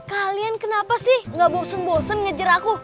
kalian kenapa sih gak bosen bosen ngejar aku